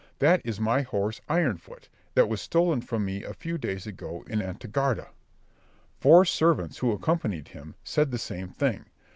that is my horse Ironfoot, that was stolen from me a few days ago in Antequera." Four servants, who accompanied him, said the same thing.